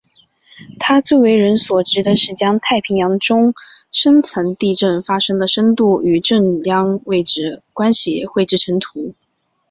他最为人所知的是将太平洋中深层地震发生的深度与震央位置关系绘制成图。